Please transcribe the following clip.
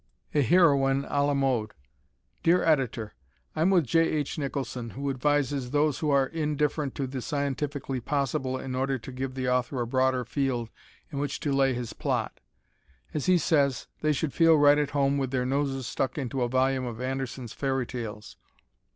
A Heroine a la Mode Dear Editor: I'm with J. H. Nicholson, who advises those who are indifferent to the scientifically possible in order to give the author a broader field in which to lay his plot. As he says, they should feel right at home with their noses stuck into a volume of Anderson's Fairy Tales.